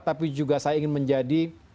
tapi juga saya ingin menjadi